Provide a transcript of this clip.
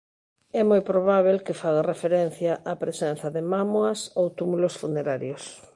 É moi probábel que faga referencia á presenza de mámoas ou túmulos funerarios.